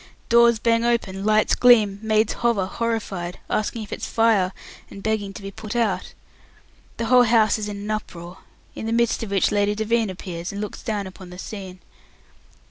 Doors bang open, lights gleam, maids hover, horrified, asking if it's "fire?" and begging for it to be "put out". The whole house is in an uproar, in the midst of which Lady Devine appears, and looks down upon the scene.